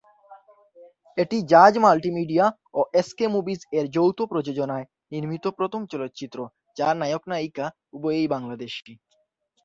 এটি জাজ মাল্টিমিডিয়া ও SK movies এর যৌথ প্রযোজনায় নির্মিত প্রথম চলচ্চিত্র যার নায়ক নায়িকা উভয়েই বাংলাদেশি।